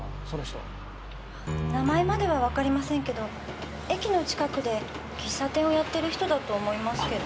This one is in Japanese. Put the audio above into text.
名前まではわかりませんけど駅の近くで喫茶店をやってる人だと思いますけど。